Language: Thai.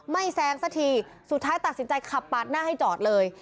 แซงสักทีสุดท้ายตัดสินใจขับปาดหน้าให้จอดเลย